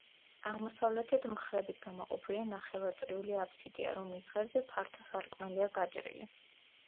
აღმოსავლეთით მხრებით გამოყოფილი ნახევარწრიული აფსიდია, რომლის ღერძზე ფართო სარკმელია გაჭრილი.